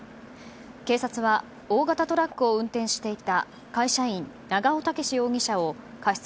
警察は大型トラックを運転していた会社員、長尾武容疑者を過失